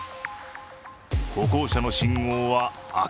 歩行者の信号は赤。